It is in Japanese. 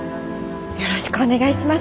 よろしくお願いします。